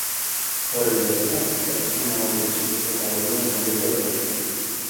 Horri lotuta, pertsona hori atxilotzeko agindua eman du gaur epaileak.